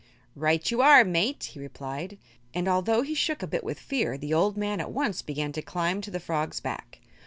"Right you are, mate," he replied, and although he shook a bit with fear, the old man at once began to climb to the frog's back.